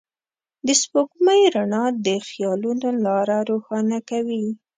د سپوږمۍ رڼا د خيالونو لاره روښانه کوي.